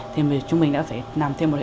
thì chúng mình đã phải làm thêm một lần